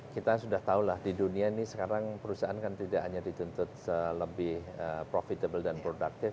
kita sudah tahu lah di dunia ini sekarang perusahaan kan tidak hanya dituntut lebih profitable dan productive